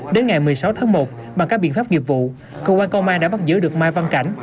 đến ngày một mươi sáu tháng một bằng các biện pháp nghiệp vụ cơ quan công an đã bắt giữ được mai văn cảnh